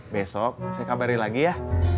besok saya kabarin lagi ya